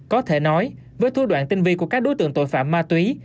có thể nói với thú đoạn tinh vi của các đối tượng tội phạm ma túy